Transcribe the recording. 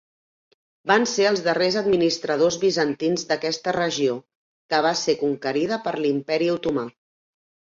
Van ser els darrers administradors bizantins d'aquesta regió, que va ser conquerida per l'Imperi Otomà.